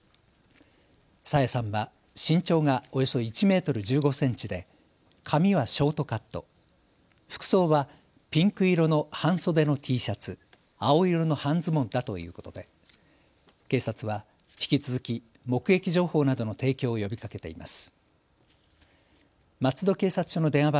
朝芽さんは身長がおよそ１メートル１５センチで髪はショートカット、服装はピンク色の半袖のＴシャツ、青色の半ズボンだということで警察は引き続き目撃情報などの提供を呼びかけています。